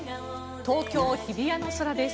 東京・日比谷の空です。